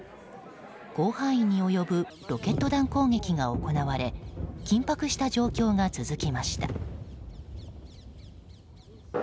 広範囲に及ぶロケット弾攻撃が行われ緊迫した状況が続きました。